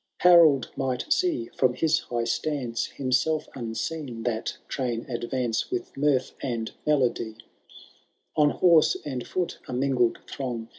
Harold might see from his high stance. Himself unseen, that train advance With mirth and melody ;— On horse and foot a mingled throng.